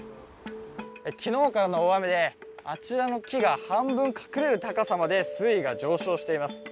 昨日からの大雨であちらの木が半分隠れる高さまで水位が上昇しています。